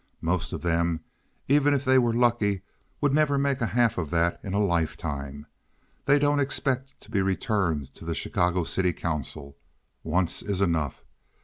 Most of them, even if they were lucky, would never make the half of that in a lifetime. They don't expect to be returned to the Chicago City Council. Once is enough.